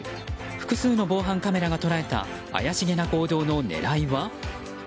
複数の防犯カメラが捉えた怪しげな行動の狙いは？